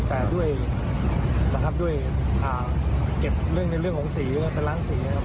แต่ด้วยเก็บเรื่องในเรื่องของศรีแล้วเป็นร้านศรีค่ะ